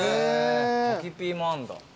柿ピーもあるんだ。